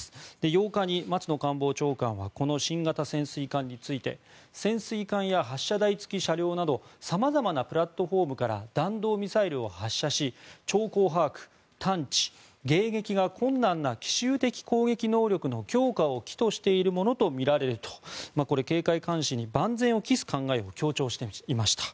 ８日に松野官房長官はこの新型潜水艦について潜水艦や発射台付き車両などさまざまなプラットフォームから弾道ミサイルを発射し兆候把握、探知、迎撃が困難な奇襲的攻撃能力の強化を企図しているものとみられると警戒監視に万全を期す考えを強調していました。